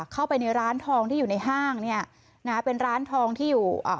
เข้าไปในร้านทองที่อยู่ในห้างเนี่ยนะฮะเป็นร้านทองที่อยู่อ่า